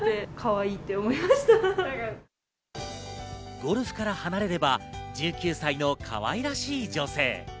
ゴルフから離れれば１９歳のかわいらしい女性。